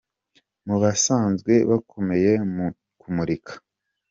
mu basanzwe Bakomeye mu kumurika.